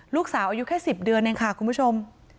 ลูกสาวอายุแค่๑๐เดือนเองค่ะคุณผู้ชม